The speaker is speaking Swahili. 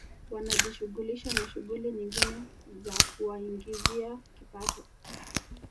Wanajishughulisha na shughuli nyingine za kuwaingizia kipato